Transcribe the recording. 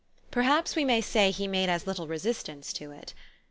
Perhaps we may say he made as little resist ance to it.